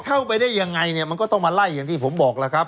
เข้าไปได้ยังไงเนี่ยมันก็ต้องมาไล่อย่างที่ผมบอกแล้วครับ